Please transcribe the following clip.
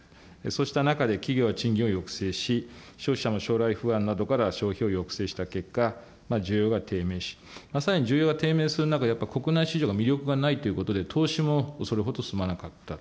そうした中で企業は賃金を抑制し、消費者の将来不安などから消費を抑制した結果、需要が低迷し、まさに需要が低迷する中でやっぱり国内市場が魅力がないということで、投資もそれほど進まなかった。